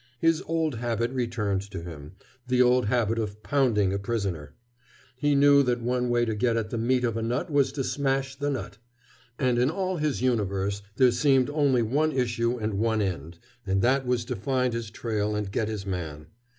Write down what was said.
His old habit returned to him, the old habit of "pounding" a prisoner. He knew that one way to get at the meat of a nut was to smash the nut. And in all his universe there seemed only one issue and one end, and that was to find his trail and get his man.